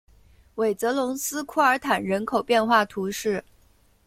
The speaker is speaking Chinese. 韦泽龙斯屈尔坦人口变化图示